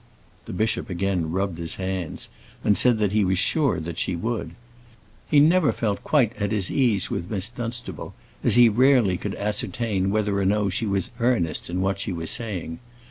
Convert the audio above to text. The bishop again rubbed his hands, and said that he was sure she would. He never felt quite at his ease with Miss Dunstable, as he rarely could ascertain whether or no she was earnest in what she was saying.